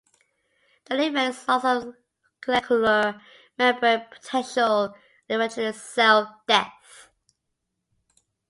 The effect is loss of cellular membrane potential and eventually cell death.